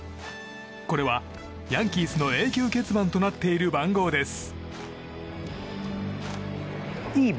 これはヤンキースの永久欠番となっている番号です。